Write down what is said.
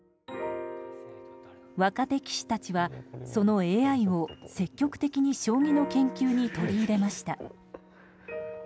若手棋士たちはそのＡＩを積極的に将棋の研究に取り入れました。